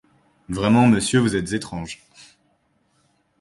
Vraiment, monsieur, vous êtes étrange !